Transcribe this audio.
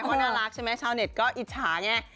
ก็น่ารักใช่ไหมชาวเน็ตก็อิจฉาไง